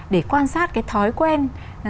để quan sát cái thói quen